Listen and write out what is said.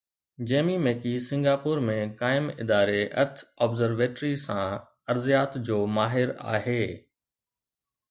جيمي Mackie Singapore ۾ قائم اداري ارٿ observatory سان ارضيات جو ماهر آهي.